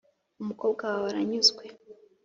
umukobwa wawe aranyuzwe.